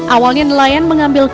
awalnya nelayan mengambil kerang